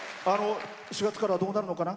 ４月から、どうなるのかな？